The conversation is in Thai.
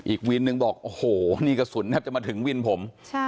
อีกวินนึงบอกโอ้โหนี่กระสุนแทบจะมาถึงวินผม